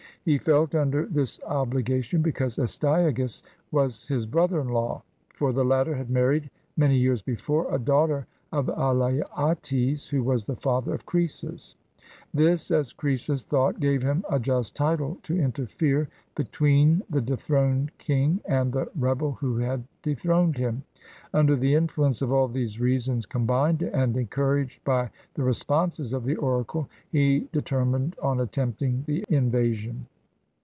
He felt under this obligation because Astyages was his brother in law ; for the latter had married, many years before, a daughter of Alyattes, who was the father of Croesus. This, as Croesus thought, gave him a just title to interfere between the dethroned king and the rebel who had dethroned him. Under the influence of all these reasons combined, and encouraged by the responses of the oracle, he determined on attempting the invasion.